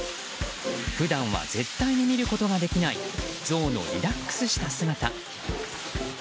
普段は絶対に見ることができないゾウのリラックスした姿。